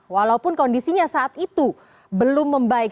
walaupun kondisinya saat itu belum membaik